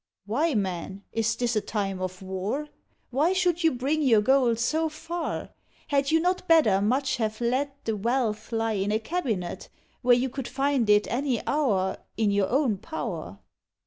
"Why, man, is this a time of war? Why should you bring your gold so far? Had you not better much have let The wealth lie in a cabinet, Where you could find it any hour In your own power?"